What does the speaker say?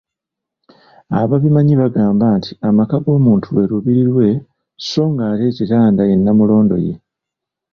Ababimanyi bagamba nti amaka g‘omuntu lwe lubiri lwe so nga ate ekitanda ye Nnamulondo ye.